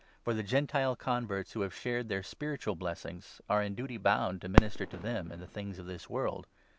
For the Gentile con verts who have shared their spiritual blessings are in duty bound to minister to them in the things of this world.